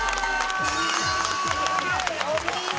お見事！